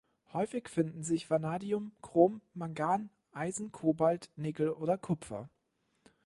Häufig finden sich Vanadium, Chrom, Mangan, Eisen, Cobalt, Nickel oder Kupfer.